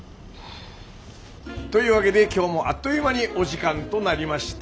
というわげで今日もあっという間にお時間となりました。